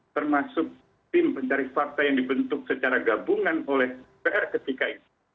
termasuk tim pencari fakta yang dibentuk secara gabungan oleh pr ketika itu